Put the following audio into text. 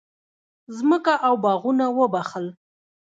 مځکه او باغونه وبخښل.